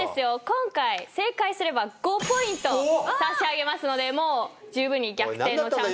今回正解すれば５ポイント差し上げますのでじゅうぶんに逆転のチャンス。